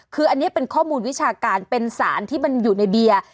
คืออันนี้เป็นข้อมูลวิชาการเป็นสารที่มันอยู่ในเบียร์